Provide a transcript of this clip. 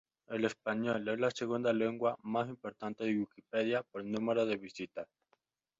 El español es la segunda lengua más importante de Wikipedia por número de visitas.